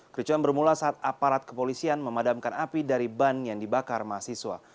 kericuan bermula saat aparat kepolisian memadamkan api dari ban yang dibakar mahasiswa